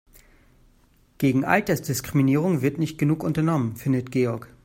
Gegen Altersdiskriminierung wird nicht genug unternommen, findet Georg.